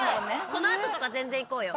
この後とか全然行こうよ。